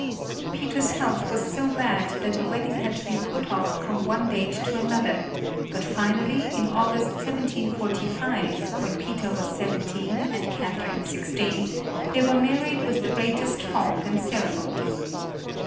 Peter's health was so bad that the wedding had to be put off from one date to another, but finally, in August, 1745, when Peter was seventeen, and Catherine sixteen, they were married with the greatest pomp and ceremony.